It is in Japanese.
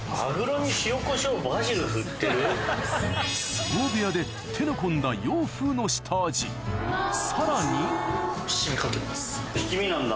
相撲部屋で手の込んだ洋風の下味さらに七味なんだ。